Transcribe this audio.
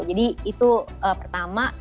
jadi itu pertama